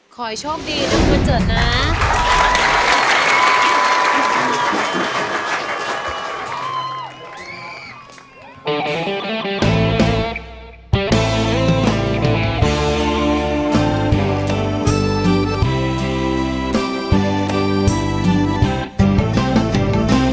ขอให้โชคดีนะคุณเจิดนะ